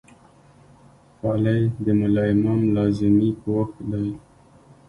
خولۍ د ملا امام لازمي پوښ دی.